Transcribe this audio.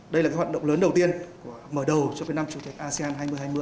đây là cái hoạt động lớn đầu tiên mở đầu cho cái năm chủ tịch asean hai nghìn hai mươi